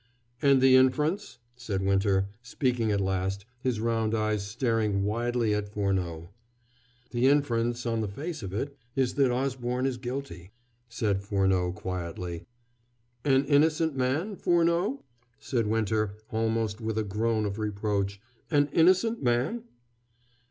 "And the inference?" said Winter, speaking at last, his round eyes staring widely at Furneaux. "The inference, on the face of it, is that Osborne is guilty," said Furneaux quietly. "An innocent man, Furneaux?" said Winter almost with a groan of reproach "an innocent man?"